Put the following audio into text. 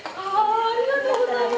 ありがとうございます。